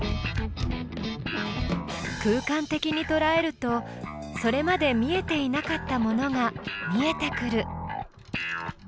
空間的にとらえるとそれまで見えていなかったものが見えてくる。